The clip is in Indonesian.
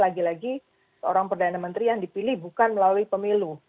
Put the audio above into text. lagi lagi seorang perdana menteri yang dipilih bukan melalui pemilu